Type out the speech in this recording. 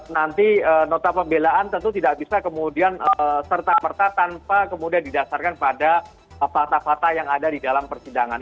nanti nota pembelaan tentu tidak bisa kemudian serta merta tanpa kemudian didasarkan pada fakta fakta yang ada di dalam persidangan